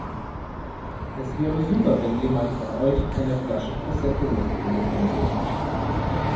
Es wäre super wenn jemand von euch eine Flasche Prosecco mitbringen könnte.